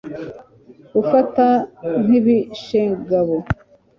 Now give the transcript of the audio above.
Gufatwa nk’ibishegabo